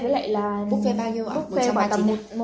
loại này thì bao nhiêu